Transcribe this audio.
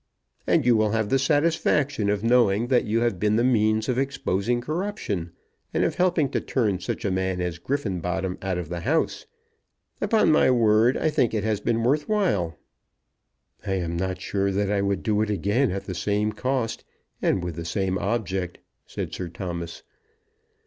"And you will have the satisfaction of knowing that you have been the means of exposing corruption, and of helping to turn such a man as Griffenbottom out of the House. Upon my word, I think it has been worth while." "I am not sure that I would do it again at the same cost, and with the same object," said Sir Thomas.